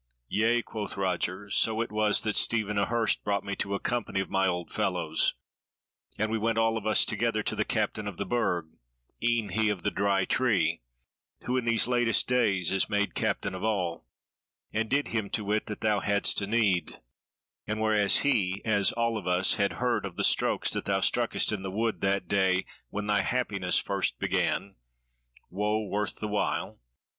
"Yea," quoth Roger, "so it was that Stephen a Hurst brought me to a company of my old fellows, and we went all of us together to the Captain of the Burg (e'en he of the Dry Tree, who in these latest days is made captain of all), and did him to wit that thou hadst a need; and whereas he, as all of us, had heard of the strokes that thou struckest in the wood that day when thy happiness first began, (woe worth the while!)